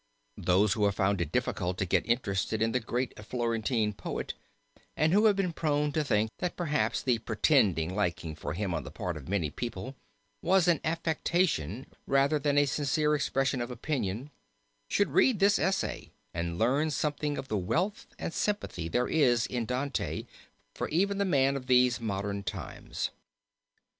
Those who have found it difficult to get interested in the great Florentine poet, and who have been prone to think that perhaps the pretended liking for him on the part of many people was an affectation rather than a sincere expression of opinion, should read this essay and learn something of the wealth of sympathy there is in Dante for even the man of these modern times.